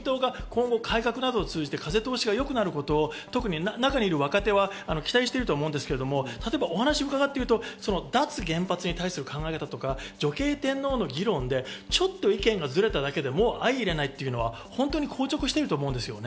その自民党が今後、改革などを通じて、風通しが良くなること、特に中にいる若手は期待していると思いますけど、お話を伺ってると、脱原発に対する考えとか女系天皇の議論で、ちょっと意見がずれただけでも、相容れないというのは硬直してると思う。